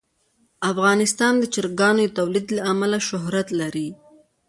افغانستان د چرګانو د تولید له امله شهرت لري.